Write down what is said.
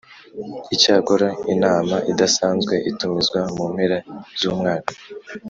Icyakora inama idasanzwe itumizwa mu mpera z umwaka